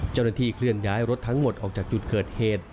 เจ้าหน้าที่เคลื่อนย้ายรถทั้งหมดออกจากจุดเกิดเหตุ